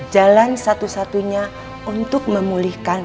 jalan satu satunya untuk memulihkan